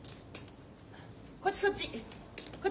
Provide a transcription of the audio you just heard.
こっちこっち。